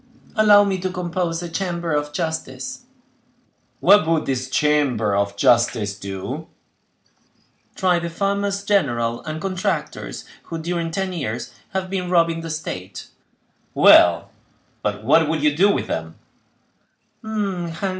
"Allow me to compose a chamber of justice." "What would this chamber of justice do?" "Try the farmers general and contractors, who, during ten years, have been robbing the state." "Well, but what would you do with them?"